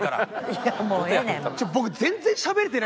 いやもうええねん。